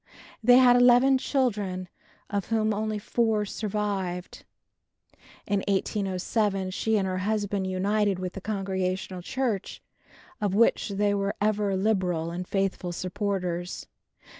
They had eleven children, of whom only four survive. In 1807 she and her husband united with the Congregational church, of which they were ever liberal and faithful supporters.